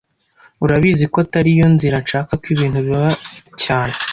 Urabizi ko atariyo nzira nshaka ko ibintu biba cyane